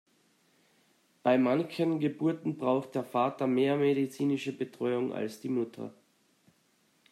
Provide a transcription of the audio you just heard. Bei manchen Geburten braucht der Vater mehr medizinische Betreuung als die Mutter.